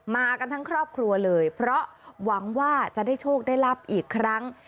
มากันทั้งครอบครัวเลยเพราะหวังว่าจะได้โชคได้ลาบอีกครั้ง